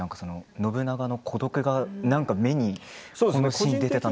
信長の孤独が目にこのシーンで出ていたなと。